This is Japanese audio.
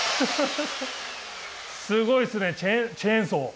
すごいですねチェーンソー。